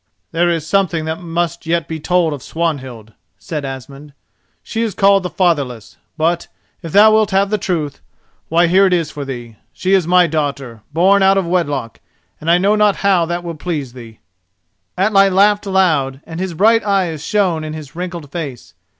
"There is something that must yet be told of Swanhild," said Asmund. "She is called the Fatherless, but, if thou wilt have the truth, why here it is for thee—she is my daughter, born out of wedlock, and I know not how that will please thee." Atli laughed aloud, and his bright eyes shone in his wrinkled face.